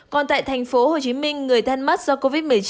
còn tại thành phố hồ chí minh người thân mắc do covid một mươi chín